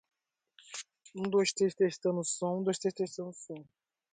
A mãe estava assando um bolo.